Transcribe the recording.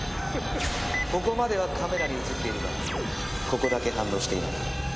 ここまではカメラに映っているがここだけ反応していない。